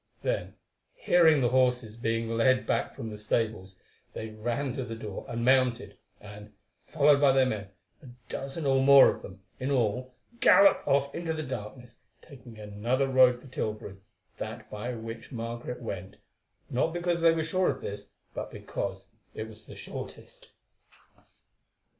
Then, hearing the horses being led back from the stables, they ran to the door and mounted, and, followed by their men, a dozen or more of them, in all, galloped off into the darkness, taking another road for Tilbury, that by which Margaret went, not because they were sure of this, but because it was the shortest.